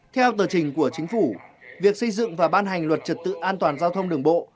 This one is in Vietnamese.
theo tờ trình của chính phủ việc xây dựng và ban hành luật trật tự an toàn giao thông đường bộ